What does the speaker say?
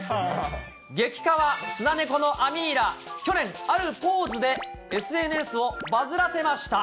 激かわスナネコのアミーラ、去年、あるポーズで、ＳＮＳをバズらせました。